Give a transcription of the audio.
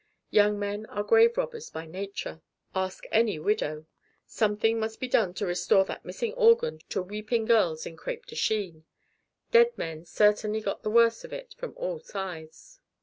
Young men are grave robbers by nature. Ask any widow. Something must be done to restore that missing organ to weeping girls in crêpe de Chine. Dead men certainly got the worse of it from all sides.